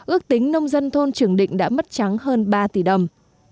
ước tính nông dân thôn trường định đã mất trắng hơn ba tỷ đồng